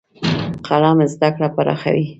قلم زده کړه پراخوي.